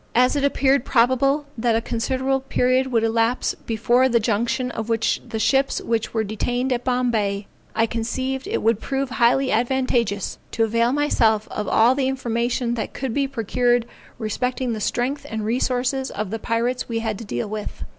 As it appeared probable that a considerable period would elapse before the junction of the ships which were detained at Bombay, I conceived it would prove highly advantageous to avail myself of all the information that could be procured respecting the strength and resources of the pirates we had to deal with.